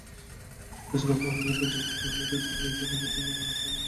শেষ খবর পাওয়া পর্যন্ত দুর্বৃত্তদের গুলিতে দুই পুলিশ সদস্যসহ তিনজন আহত হয়েছেন।